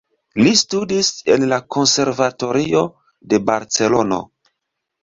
Li studis en la Konservatorio de Barcelono.